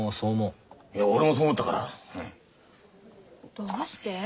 どうして？